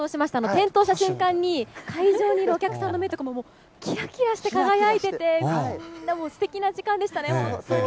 点灯した瞬間に、会場にいるお客さんの目とかも、もうきらきらして輝いてて、すてきな時間でしたね、本当に。